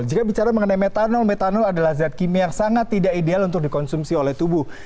jika bicara mengenai metanol metanol adalah zat kimia yang sangat tidak ideal untuk dikonsumsi oleh tubuh